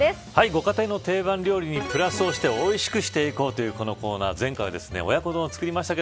ご家庭のテイバン料理にプラスをして美味しくしていこうというこのコーナー前回は親子丼を作りました。